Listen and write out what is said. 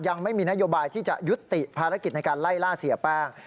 ยังไม่มีนโยบายที่จะยุติภารกิจในการไล่ล่าเสียแป้ง